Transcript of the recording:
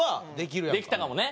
できたかもね。